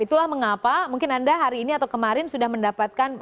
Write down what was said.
itulah mengapa mungkin anda hari ini atau kemarin sudah mendapatkan